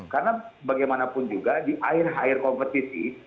karena bagaimanapun juga di akhir akhir kompetisi